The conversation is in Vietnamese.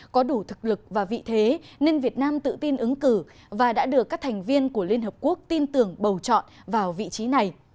có đủ thực lực và vị thế nên việt nam tự tin ứng cử và đã được các thành viên của liên hợp quốc tin tưởng bầu chọn vào vị trí này